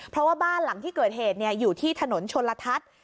เพราะว่าบ้านหลังที่เกิดเหตุอยู่ที่ถนนชนลทัศน์